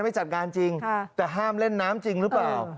ไม่จัดการจริงแต่ห้ามเล่นน้ำจริงหรือเปล่า